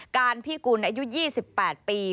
การพิกุลอายุ๒๘ปี